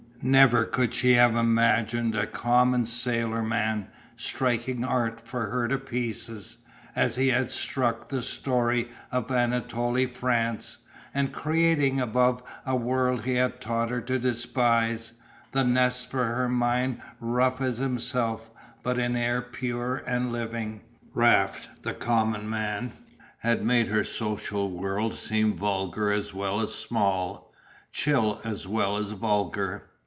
Never could she have imagined a common sailor man striking Art for her to pieces, as he had struck the story of Anatole France, and creating above a world he had taught her to despise, a nest for her mind rough as himself, but in air pure and living. Raft, the common man, had made her social world seem vulgar as well as small, chill as well as vulgar.